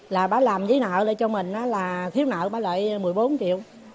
là bà làm giấy nợ lại cho mình là thiếu nợ bà lại một mươi bốn triệu